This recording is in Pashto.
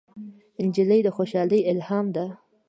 نجلۍ د خوشحالۍ الهام ده.